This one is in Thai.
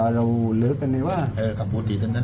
แต่ก็จึงจะมาถูกที่คุณ